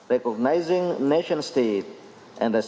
mengenal dan menghormati negara negara